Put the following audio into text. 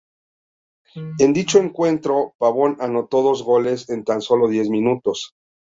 En dicho encuentro, Pavón anotó dos goles en tan solo diez minutos.